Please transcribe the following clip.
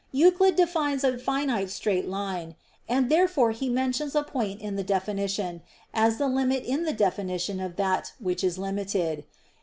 Euclid defines a finite straight line: and therefore he mentions a point in the definition, as the limit in the definition of that which is limited.